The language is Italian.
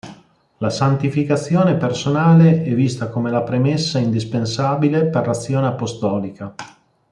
La santificazione personale è vista come la premessa indispensabile per l'azione apostolica.